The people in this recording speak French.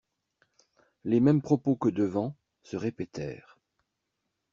Les mêmes propos que devant se répétèrent.